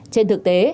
trên thực tế